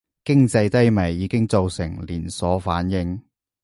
經濟低迷已經造成連鎖反應